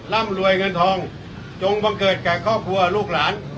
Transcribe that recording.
ร่ำรวยเงินทองจงบังเกิดแก่ครอบครัวลูกหลาน